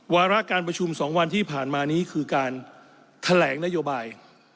วาระการประชุม๒วันที่ผ่านมานี้คือการแถลงนโยบาย